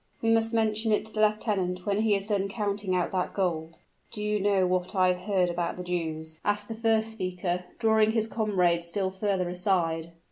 "We must mention it to the lieutenant when he has done counting out that gold." "Do you know what I have heard about the Jews?" asked the first speaker, drawing his comrades still further aside.